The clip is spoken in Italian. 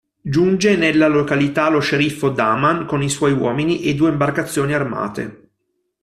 Giunge nella località lo sceriffo "Daman" con i suoi uomini e due imbarcazioni armate.